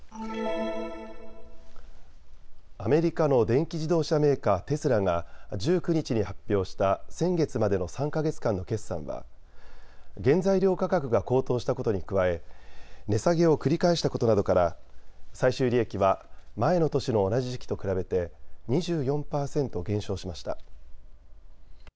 アメリカの電気自動車メーカー、テスラが１９日に発表した先月までの３か月間の決算は原材料価格が高騰したことに加え値下げを繰り返したことなどから最終利益は前の年の同じ時期と比べて２４％減少しました。